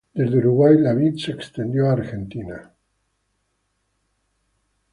Desde Uruguay la vid se extendió a Argentina.